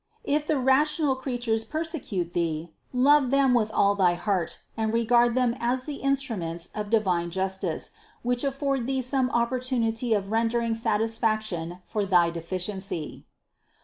If the rational creatures persecute thee, love them with all thy heart and regard them as the instruments of divine justice, which afford thee some opportunity of rendering satisfaction for thy deficiency.